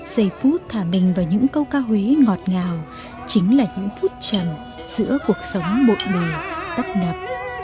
giây phút thả mình vào những câu ca huế ngọt ngào chính là những phút trầm giữa cuộc sống bộn bề tấp nập